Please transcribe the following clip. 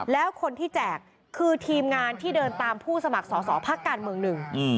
แล้วคนที่แจกคือทีมงานที่เดินตามผู้สมัครสอสอพักการเมืองหนึ่ง